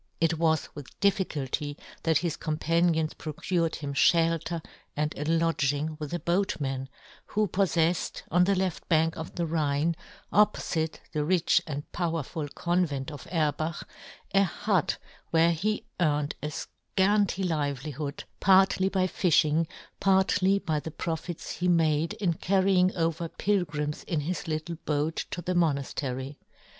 It was with difficulty that his companions pro cured him {helter and a lodging with a boatman, who poiTefled, on the left bank of the Rhine, oppofite the rich and powerful convent of Erbach, a hut where he earned a fcanty livelihood, partly by fifhing, partly by the profits he made in carry ing over pilgrims in his little boat to the monaftery.